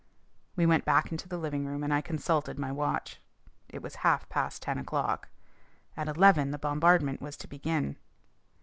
We went back into the living room and I consulted my watch. It was half past ten o'clock. At eleven the bombardment was to begin!